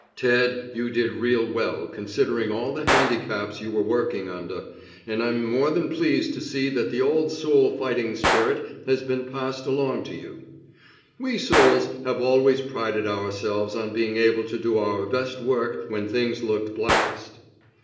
Ted, you did real well considering all the handicaps you were working under, and I'm more than pleased to see that the old Soule fighting spirit has been passed along to you. We Soules have always prided ourselves on being able to do our best work when things looked blackest.